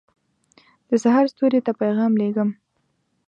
دسحرستوري ته پیغام لېږم